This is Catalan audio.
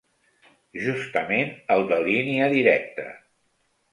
Justament el de línia directa.